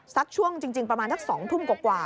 สักช่วงจริงประมาณทั้ง๒ทุ่มกว่ากว่า